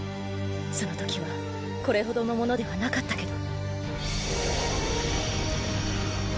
そのときはこれほどのものではなかったけど。